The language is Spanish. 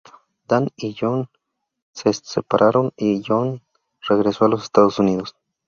Dan y Joanne se separaron y Joanne regresó a los Estados Unidos.